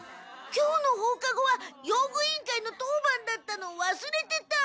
今日の放課後は用具委員会の当番だったのわすれてた。